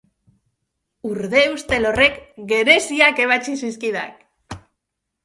Urde ustel horrek gereziak ebatsi zizkidak!